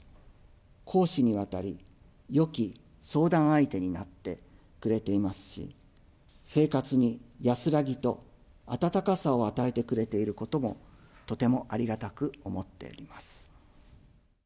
公私にわたり、よき相談相手になってくれていますし、生活に安らぎと温かさを与えてくれていることも、とてもありがたく思っております。